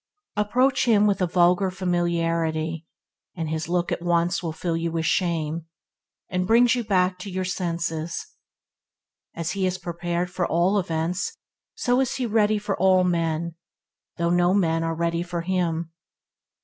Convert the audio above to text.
Approach him with a vulgar familiarity, and his look at once fill you with shame, and brings you back to your senses. As he is prepared for all events, so he is ready for all men; though no men are ready for him.